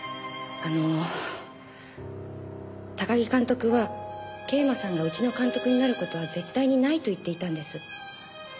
あの高木監督は桂馬さんがうちの監督になる事は絶対にないと言っていたんです。